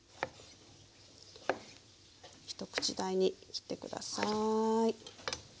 一口大に切って下さい。